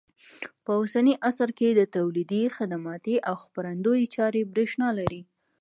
په اوسني عصر کې د تولیدي، خدماتي او خپرندوی چارې برېښنا لري.